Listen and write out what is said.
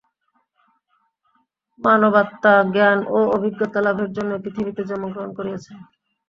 মানবাত্মা জ্ঞান ও অভিজ্ঞতা-লাভের জন্যই পৃথিবীতে জন্মগ্রহণ করিয়াছেন।